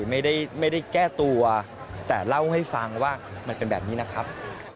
ไม่ได้แก้ตัวแต่เล่าให้ฟังว่ามันเป็นแบบนี้นะครับ